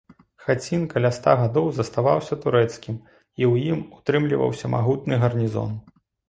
Хацін каля ста гадоў заставаўся турэцкім, у ім утрымліваўся магутны гарнізон.